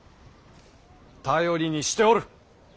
頼りにしておる！